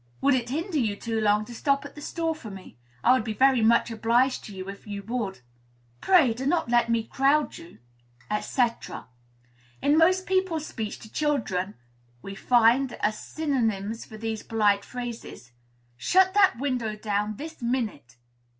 "Would it hinder you too long to stop at the store for me? I would be very much obliged to you, if you would." "Pray, do not let me crowd you," &c. In most people's speech to children, we find, as synonyms for these polite phrases: "Shut that window down, this minute."